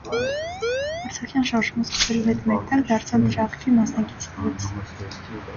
Արցախյան շարժումը սկսվելու հետ մեկտեղ դարձավ դրա ակտիվ մասնակիցներից։